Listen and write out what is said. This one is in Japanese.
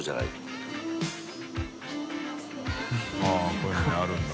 △こういうのもやるんだ。